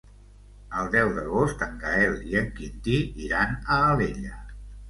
El deu d'agost en Gaël i en Quintí iran a Alella.